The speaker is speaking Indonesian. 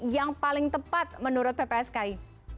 yang paling tepat menurut ppski